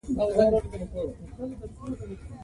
افغانستان د تودوخه د پلوه ځانته ځانګړتیا لري.